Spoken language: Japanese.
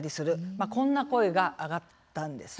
こんな声が上がったんですね。